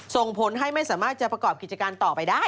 ส่งผลให้ไม่สามารถจะประกอบกิจการต่อไปได้